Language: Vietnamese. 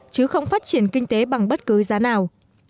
chứ không phát triển kinh tế bằng bất cứ giá nào